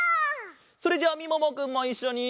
それじゃあみももくんもいっしょに。